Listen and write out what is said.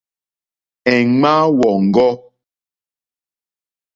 Èŋmáá wɔ̀ŋɡɔ́.